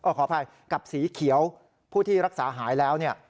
ขออภัยกับสีเขียวผู้ที่รักษาหายแล้วเนี่ย